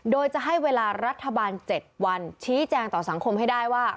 โดยจะให้เวลารัฐบาล๗วันชี้แจงต่อสังคมให้ได้ว่า